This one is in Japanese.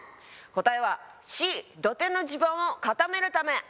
答えはＣ土手の地盤を固めるため。